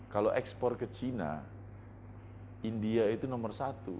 kalau ekspor ke china india itu nomor satu